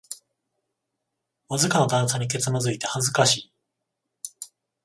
わずかな段差にけつまずいて恥ずかしい